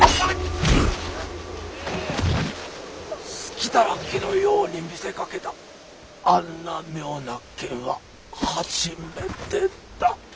隙だらけのように見せかけたあんな妙な剣は初めてだ。